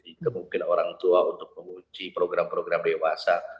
jadi itu mungkin orang tua untuk mengunci program program dewasa